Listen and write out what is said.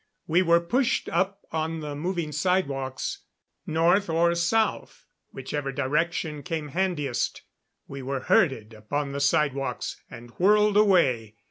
We were pushed up on the moving sidewalks. North or south, whichever direction came handiest, we were herded upon the sidewalks and whirled away.